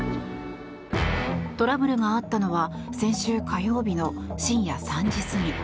トラブルがあったのは先週火曜日の深夜３時過ぎ。